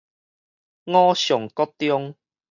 五常國中